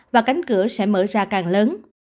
và cánh cửa sẽ mở ra càng lớn